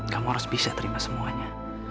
kamu harus bisa terima semuanya